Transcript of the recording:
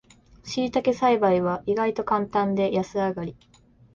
しいたけ栽培は意外とカンタンで安上がり